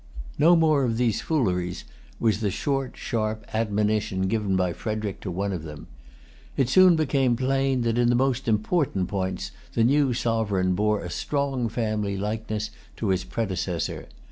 "No more of these fooleries," was the short, sharp admonition given by Frederic to one of them. It soon became plain that, in the most important points, the new sovereign bore a strong family likeness to his predecessor.